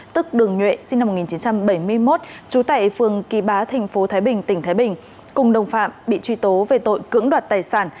tức đường nhuệ sinh năm một nghìn chín trăm bảy mươi một trú tại phường kỳ bá tp thái bình tỉnh thái bình cùng đồng phạm bị truy tố về tội cưỡng đoạt tài sản